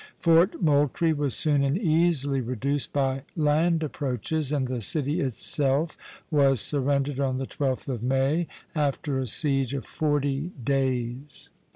Fort Moultrie was soon and easily reduced by land approaches, and the city itself was surrendered on the 12th of May, after a siege of forty days.